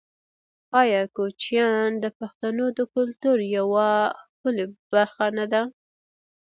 آیا کوچیان د پښتنو د کلتور یوه ښکلې برخه نه ده؟